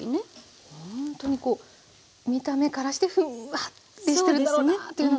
ほんとにこう見た目からしてふんわりしてるだろうなというのが。